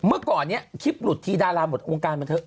เมื่อก่อนนี้คลิปหลุดทีดาราหมดวงการบันเทิ